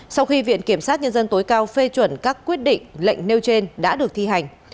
sau khi viện kiểm sát nhân dân tối cao phê chuẩn các quyết định lệnh nêu trên đã được thi hành